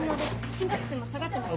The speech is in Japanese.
心拍数も下がってます。